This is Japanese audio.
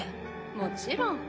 もちろん。